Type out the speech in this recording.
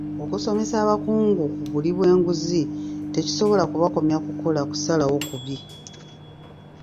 Okusomesa abakungu ku buli bw'enguzi tekisobola kubakomya kukola kusalawo kubi.